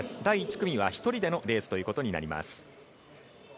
第１組は１人でのレースということになります。